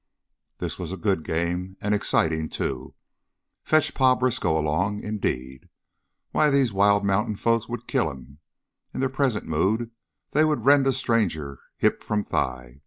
This was a good game and exciting, too. Fetch Pa Briskow along, indeed! Why, these wild mountain folk would kill him; in their present mood they would rend a stranger hip from thigh.